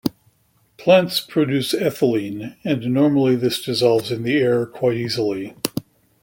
Plants produce ethylene, and normally this dissolves in the air quite easily.